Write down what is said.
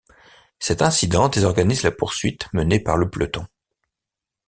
Cet incident désorganise la poursuite menée par le peloton.